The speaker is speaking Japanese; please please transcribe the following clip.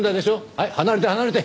はい離れて離れて。